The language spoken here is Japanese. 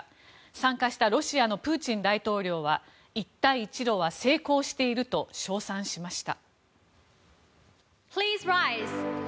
参加したロシアのプーチン大統領は一帯一路は成功していると称賛しました。